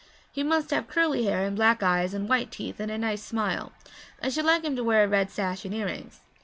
'He must have curly hair and black eyes and white teeth and a nice smile; I should like him to wear a red sash and earrings.